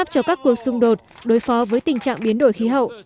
cho các cuộc xung đột đối phó với tình trạng biến đổi khí hậu